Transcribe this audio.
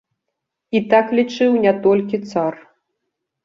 І так лічыў не толькі цар.